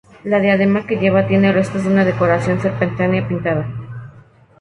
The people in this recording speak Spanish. La diadema que lleva tiene restos de una decoración serpenteante pintada.